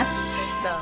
どうも。